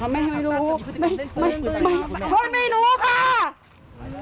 ไม่รู้ค่ะ